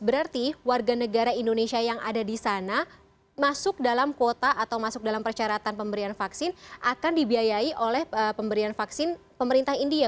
berarti warga negara indonesia yang ada di sana masuk dalam kuota atau masuk dalam persyaratan pemberian vaksin akan dibiayai oleh pemberian vaksin pemerintah india